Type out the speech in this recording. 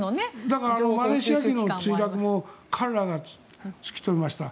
だからマレーシア機の墜落も彼らが突き止めました。